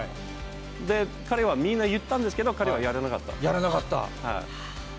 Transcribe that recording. で、彼はみんな言ったんですけど、やらなかった？